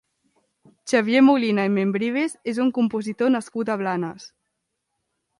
Xavier Molina i Membrives és un compositor nascut a Blanes.